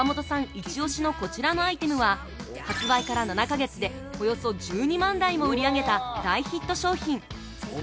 一押しのこちらのアイテムは発売から７か月でおよそ１２万台も売り上げた大ヒット商品。